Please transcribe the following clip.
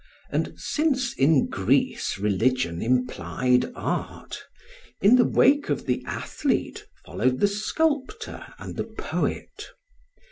And since in Greece religion implied art, in the wake of the athlete followed the sculptor and the poet.